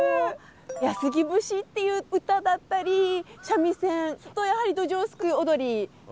「安来節」っていう歌だったり三味線とやはりどじょうすくい踊りがございまして。